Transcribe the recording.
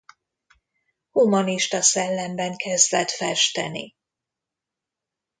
Humanista szellemben kezdett festeni.